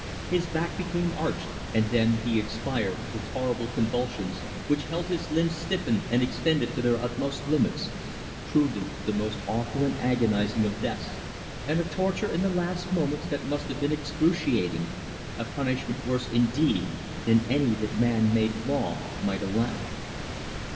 His back became arched, and then he expired with horrible convulsions, which held his limbs stiffened and extended to their utmost limits truly, the most awful and agonising of deaths, and a torture in the last moments that must have been excruciating a punishment worse, indeed, than any that man made law might allow.